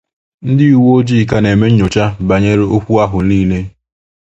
ndị uwe ojii ka na-eme nnyocha bànyere okwu ahụ niile